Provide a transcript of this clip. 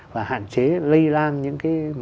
và hạn chế lây lan những cái mờ